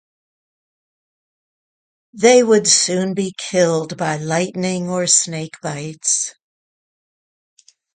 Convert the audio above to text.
They would soon be killed by lightning or snakebites.